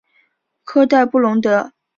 科代布龙德。